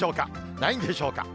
ないんでしょうか。